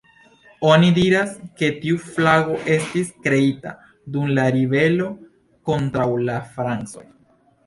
Oni diras, ke tiu flago estis kreita dum la ribelo kontraŭ la francoj.